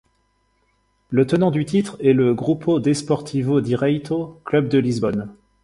Le tenant du titre est le Grupo Desportivo Direito, club de Lisbonne.